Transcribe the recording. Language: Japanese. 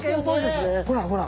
ほらほら